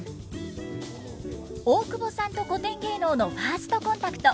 大久保さんと古典芸能のファーストコンタクト。